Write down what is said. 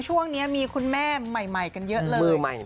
ช่วงนี้มีคุณแม่ใหม่กันเยอะเลย